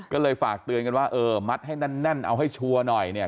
ก็เลยฝากเตือนกันว่าเออมัดให้แน่นเอาให้ชัวร์หน่อยเนี่ย